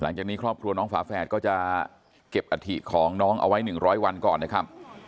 หลังจากนี้ครอบครัวน้องฝาแฝดก็จะเก็บอัฐิของน้องเอาไว้๑๐๐วันก่อนนะครับ